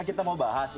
kita mau bahas